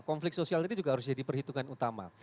konflik sosial ini juga harus jadi perhitungan utama